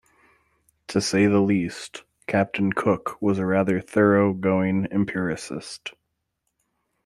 To say the least, Captain Cook was a rather thorough going empiricist.